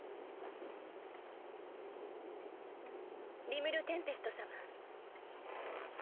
リムル＝テンペスト様。